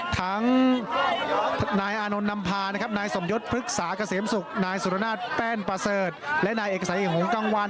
ทั้งนายอานนท์นำพานะครับนายสมยศพฤกษาเกษมศุกร์นายสุรนาศแป้นประเสริฐและนายเอกสัยหงกลางวัน